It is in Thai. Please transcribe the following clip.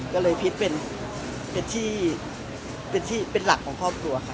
ก็เลยพิษเป็นที่เป็นหลักของครอบครัวค่ะ